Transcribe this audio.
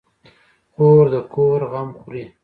خور د کور غم خوري.